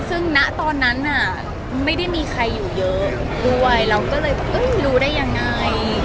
ซึ่งณตอนนั้นน่ะไม่ได้มีใครอยู่เยอะด้วยเราก็เลยแบบรู้ได้ยังไง